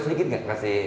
boleh sedikit gak